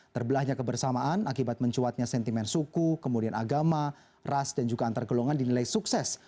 terbelahnya kebersamaan akibat mencuatnya sentimen suku kemudian agama ras dan juga antar golongan dinilai sukses